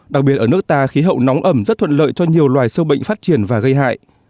đặc biệt ở nước ta khí hậu nóng ẩm rất thuận lợi cho nhiều loài sâu bệnh phát triển và gây hại